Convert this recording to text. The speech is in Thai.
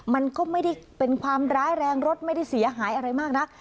มันก็ไม่ได้เป็นความร้ายแรงรถไม่ได้เสียหายอะไรมากนัก